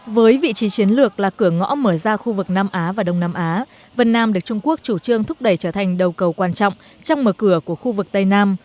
với vị trí chiến lược là cửa ngõ mở ra khu vực nam á và đông nam á vân nam được trung quốc chủ trương thúc đẩy trở thành đầu cầu quan trọng trong mở cửa của khu vực tây nam